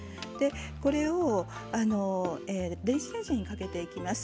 これを電子レンジにかけていきます。